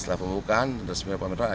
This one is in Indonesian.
setelah pembukaan resmi pak menteri